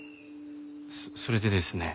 それでですね